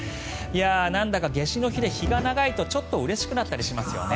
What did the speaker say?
なんだか夏至の日で日が長いとちょっとうれしくなったりしますよね。